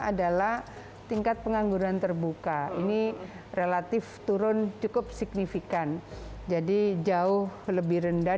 adalah tingkat pengangguran terbuka ini relatif turun cukup signifikan jadi jauh lebih rendah